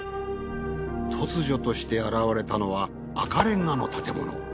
突如として現れたのは赤レンガの建物。